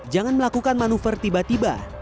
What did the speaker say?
jangan melakukan manuver tiba tiba